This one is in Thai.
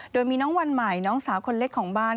โดยมีน้องวันใหม่น้องสาวคนเล็กของบ้าน